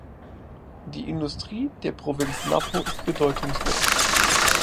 Die Industrie der Provinz Napo ist bedeutungslos.